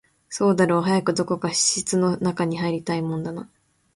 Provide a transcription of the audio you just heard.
そうだろう、早くどこか室の中に入りたいもんだな